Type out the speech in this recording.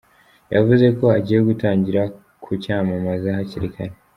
Yavuze ko agiye gutangira kucyamamaza hakiri kare.